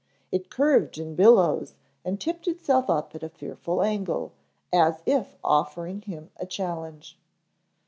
It curved in billows and tipped itself up at a fearful angle, as if offering him a challenge.